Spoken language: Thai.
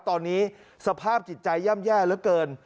ตอนนี้สภาพจิตใจย่ำแย่เหลือเกิน